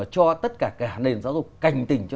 cho tất cả nền giáo dục cành tỉnh